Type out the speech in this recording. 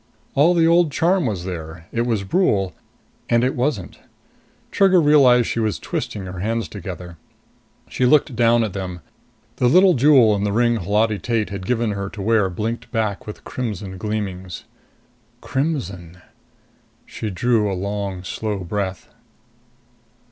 All the old charm was there. It was Brule. And it wasn't. Trigger realized she was twisting her hands together. She looked down at them. The little jewel in the ring Holati Tate had given her to wear blinked back with crimson gleamings. Crimson! She drew a long, slow breath.